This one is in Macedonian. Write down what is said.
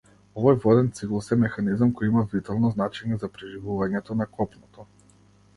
Овој воден циклус е механизам кој има витално значење за преживувањето на копното.